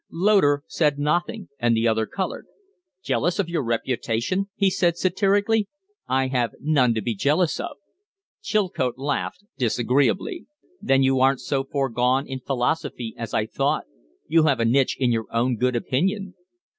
Loder said nothing and the other colored. "Jealous of your reputation?" he said, satirically. "I have none to be jealous of." Chilcote laughed disagreeably. "Then you aren't so for gone in philosophy as I thought. You have a niche in your own good opinion."